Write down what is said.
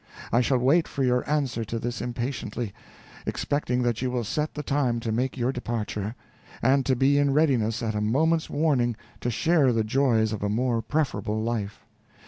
I shall wait for your answer to this impatiently, expecting that you will set the time to make your departure, and to be in readiness at a moment's warning to share the joys of a more preferable life.